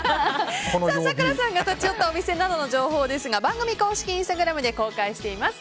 咲楽さんが立ち寄ったお店などの情報ですが番組公式インスタグラムで公開しています。